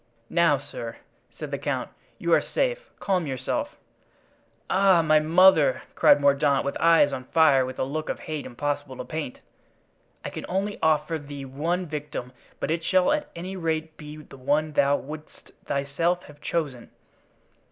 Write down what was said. "Now, sir," said the count, "you are safe—calm yourself." "Ah! my mother," cried Mordaunt, with eyes on fire with a look of hate impossible to paint, "I can only offer thee one victim, but it shall at any rate be the one thou wouldst thyself have chosen!"